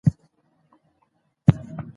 سوله د انسان ګډ ارمان دی